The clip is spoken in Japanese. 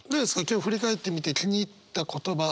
今日振り返ってみて気に入った言葉。